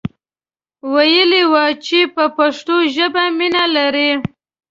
ویلی وو چې په پښتو ژبه مینه لري.